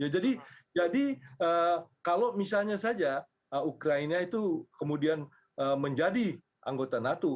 jadi kalau misalnya saja ukraina itu kemudian menjadi anggota nato